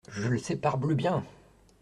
Je le sais parbleu bien !…